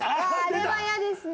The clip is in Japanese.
あれはイヤですね。